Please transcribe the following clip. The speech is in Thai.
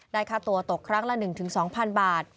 ได้ค่าตัวตกครั้งละ๑๒พันบาท